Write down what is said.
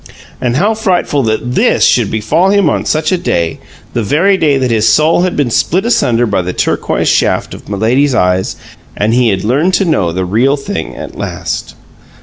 And how frightful that THIS should befall him on such a day, the very day that his soul had been split asunder by the turquoise shafts of Milady's eyes and he had learned to know the Real Thing at last!